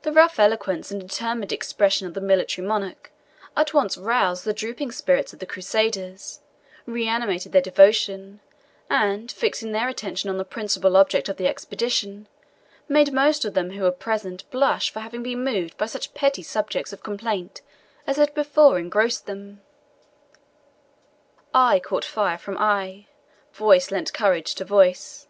The rough eloquence and determined expression of the military monarch at once roused the drooping spirits of the Crusaders, reanimated their devotion, and, fixing their attention on the principal object of the expedition, made most of them who were present blush for having been moved by such petty subjects of complaint as had before engrossed them. Eye caught fire from eye, voice lent courage to voice.